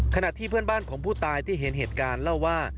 ขณะที่เพื่อนบ้านของผู้ตายที่เห็นเหตุการณ์เล่าว่า